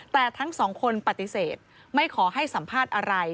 แต่ทั้งสองคนปฏิเสธไม่ขอให้สัมภาษณ์อะไร